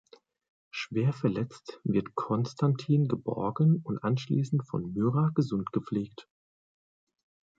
Schwer verletzt wird Constantin geborgen und anschließend von Myra gesund gepflegt.